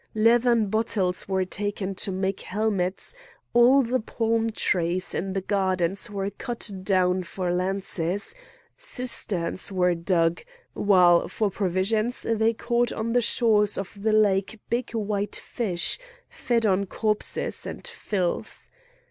Leathern bottles were taken to make helmets; all the palm trees in the gardens were cut down for lances; cisterns were dug; while for provisions they caught on the shores of the lake big white fish, fed on corpses and filth.